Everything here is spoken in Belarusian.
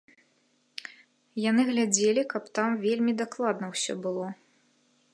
Яны глядзелі, каб там вельмі дакладна ўсё было.